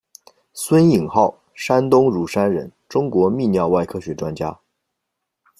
孙颖浩，山东乳山人，中国泌尿外科学专家。